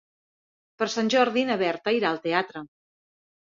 Per Sant Jordi na Berta irà al teatre.